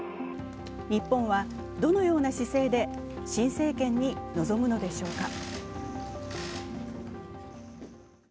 日本はどのような姿勢で、新政権に臨むのでしょうか。